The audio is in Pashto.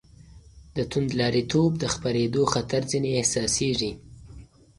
د توندلاریتوب د خپرېدو خطر ځنې احساسېږي.